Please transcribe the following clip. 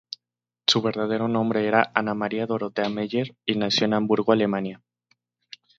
Su verdadero nombre era Anna Maria Dorothea Meyer, y nació en Hamburgo, Alemania.